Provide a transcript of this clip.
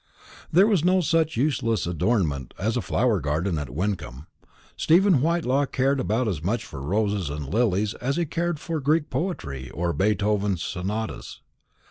There was no such useless adornment as a flower garden at Wyncomb. Stephen Whitelaw cared about as much for roses and lilies as he cared for Greek poetry or Beethoven's sonatas.